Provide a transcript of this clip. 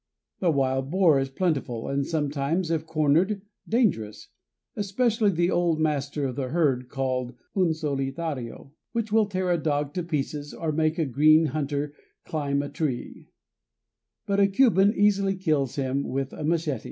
The wild boar is plentiful, and sometimes, if cornered, dangerous, especially the old master of the herd, called "un solitario," which will tear a dog to pieces or make a green hunter climb a tree; but a Cuban easily kills him with a machete.